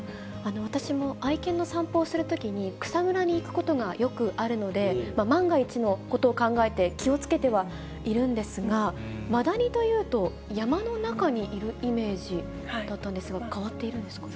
私も愛犬の散歩をするときに、草むらに行くことがよくあるので、万が一のことを考えて気をつけてはいるんですが、マダニというと、山の中にいるイメージだったんですが、変わっているんですか？